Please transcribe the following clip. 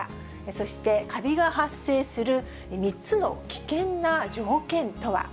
そしてかびが発生する３つの危険な条件とは。